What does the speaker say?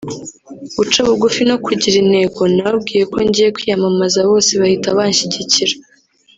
guca bugufi no kugira intego […] nababwiye ko ngiye kwiyamamaza bose bahita banshyigikira